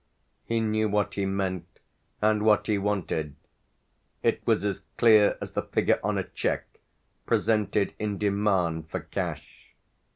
He knew what he meant and what he wanted; it was as clear as the figure on a cheque presented in demand for cash.